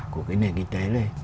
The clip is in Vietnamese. của cái nền kinh tế lên